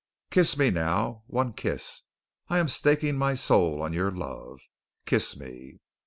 Kiss me now, one kiss. I am staking my soul on your love. Kiss me!"